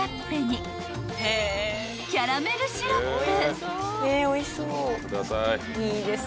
［キャラメルシロップ］